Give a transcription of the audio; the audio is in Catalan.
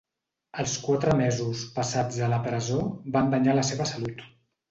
Els quatre mesos passats a la presó van danyar la seva salut.